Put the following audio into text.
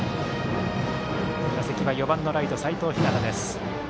打席は４番のライト、齋藤陽です。